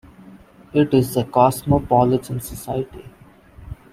It is a cosmopolitan society.